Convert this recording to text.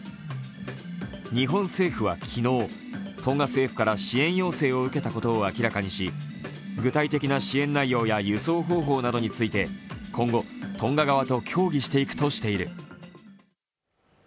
日本政府は昨日、トンガ政府から支援要請を受けたことを明らかにした具体的な支援内容や輸送方法について、今後、トンガ側と協議していくとしている。